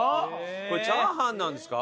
これチャーハンなんですか？